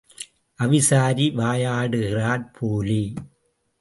அவிசாரி வாயாடுகிறாற் போலே.